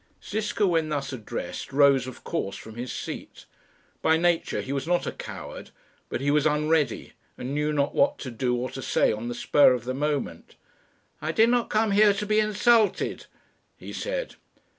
Ziska, when thus addressed, rose of course from his seat. By nature he was not a coward, but he was unready, and knew not what to do or to say on the spur of the moment. "I did not come here to be insulted," he said.